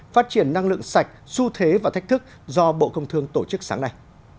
phát triển năng lượng sạch su thế và thách thức do bộ công thương tổ chức sáng nay